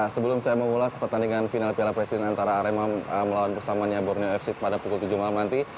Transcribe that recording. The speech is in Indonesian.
sebelum saya mengulas pertandingan final piala presiden antara arema melawan bersamanya borneo fc pada pukul tujuh malam nanti